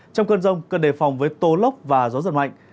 trong cơn rông cơn đề phòng với tố lốc và gió giật mạnh